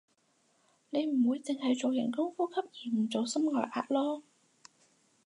你唔會淨係做人工呼吸而唔做心外壓囉